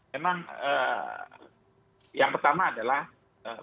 memang yang pertama adalah